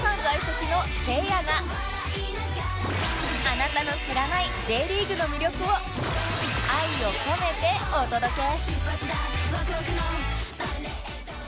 あなたの知らない Ｊ リーグの魅力を愛を込めてお届け！